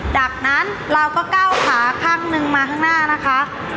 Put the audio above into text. จากนั้นเราก็ก้าวขาข้างนึงมาข้างหน้านะคะ